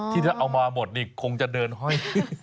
ที่ถ้าเอามาหมดนี่คงจะเดินห้อย